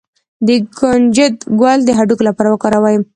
د کنجد ګل د هډوکو لپاره وکاروئ